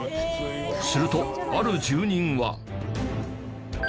するとある住人は。